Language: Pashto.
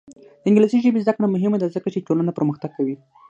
د انګلیسي ژبې زده کړه مهمه ده ځکه چې ټولنه پرمختګ کوي.